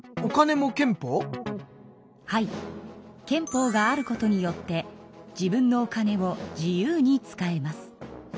憲法があることによって自分のお金を自由に使えます。